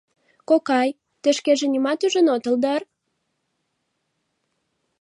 — Кокай, тый шкеже нимат ужын отыл дыр?